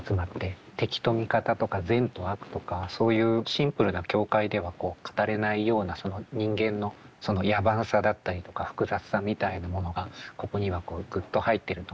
敵と味方とか善と悪とかそういうシンプルな境界では語れないようなその人間の野蛮さだったりとか複雑さみたいなものがここにはこうグッと入ってると思うんですが。